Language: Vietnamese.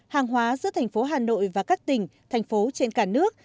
hàng hóa giữa thành phố hà nội và các tỉnh thành phố trên cả nước